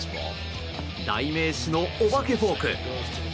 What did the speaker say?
代名詞のお化けフォーク。